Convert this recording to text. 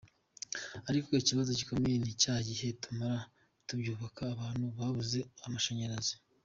Ariko ikibazo gikomeye ni cya gihe tumara tubyubaka abantu babuze amashanyarazi.